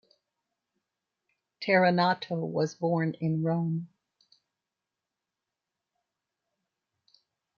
Terranato was born in Rome.